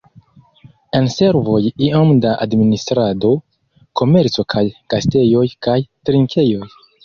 En servoj iom da administrado, komerco kaj gastejoj kaj trinkejoj.